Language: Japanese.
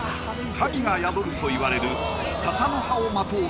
神が宿るといわれるささの葉をまとう